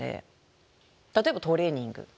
例えばトレーニング。